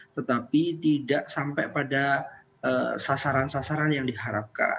tetapi tidak sampai pada sasaran sasaran yang diharapkan